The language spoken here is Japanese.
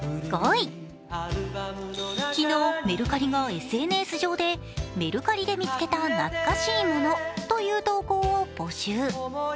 昨日、メルカリがＳＮＳ上で「＃メルカリで見つけた懐かしいもの」という投稿を募集。